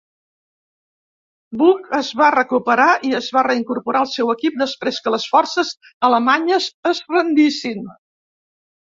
Buck es va recuperar i es va reincorporar al seu equip després que les forces alemanyes es rendissin.